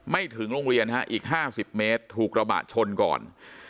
ถึงโรงเรียนฮะอีก๕๐เมตรถูกกระบะชนก่อน